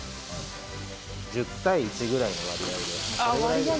１０対１ぐらいの割合で。